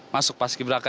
masuk paski beraka